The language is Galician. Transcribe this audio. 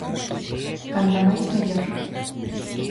Canta máis mellor.